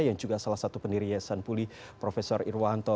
yang juga salah satu pendiri yesan puli profesor irwanto